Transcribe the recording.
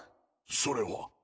それは。